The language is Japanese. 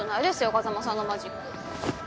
風真さんのマジック。